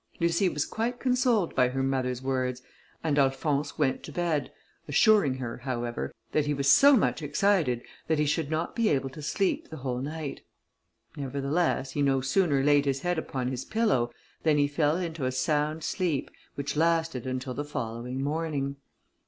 Lucie was quite consoled by her mother's words, and Alphonse went to bed, assuring her, however, that he was so much excited, that he should not be able to sleep the whole night. Nevertheless, he no sooner laid his head upon his pillow, than he fell into a sound sleep, which lasted until the following morning.